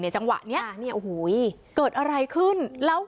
ในจังหวะเนี้ยอ่าเนี้ยโอ้โหยเกิดอะไรขึ้นแล้ว